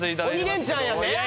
『鬼レンチャン』やね？